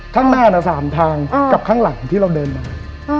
ข้างหน้า๓ทางกับข้างหลังที่เราเดินมา